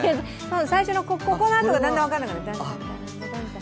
最初のここのあとがだんだん分からなくなる。